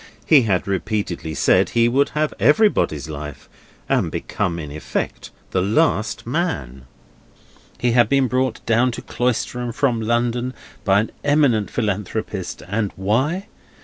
He had repeatedly said he would have everybody's life, and become in effect the last man. He had been brought down to Cloisterham, from London, by an eminent Philanthropist, and why?